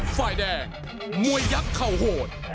ไฟแดงมวยักเข้าโหด